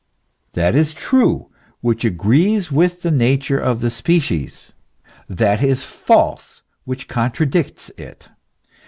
That is true which agrees with the nature of the species, that is false which contradicts it.